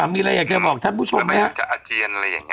อ๋อมีอะไรอยากจะบอกท่านผู้ชมเนี้ย